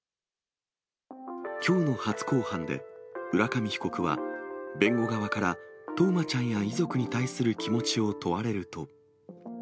きょうの初公判で、浦上被告は、弁護側から、冬生ちゃんや遺族に対する気持ちを問われると。